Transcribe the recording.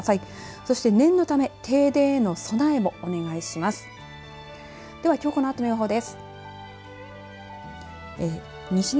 そして念のため停電への備えもお願いします。